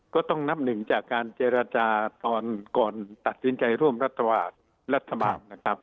ก็ต้องนับหนึ่งจากการเจรจาตอนก่อนตัดสินใจร่วมรัฐบาลนะครับ